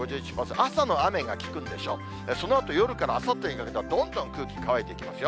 朝の雨が効くんでしょう、そのあと夜からあさってにかけては、どんどん空気乾いていきますよ。